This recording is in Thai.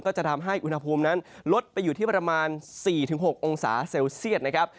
ก็จะทำให้อุณหภูมินั้นลดไปอยู่ที่ประมาณ๔๖องศาเซลเซียตนะครับ